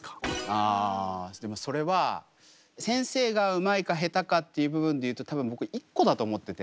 あでもそれは先生がうまいかへたかっていう部分でいうと多分僕一個だと思ってて。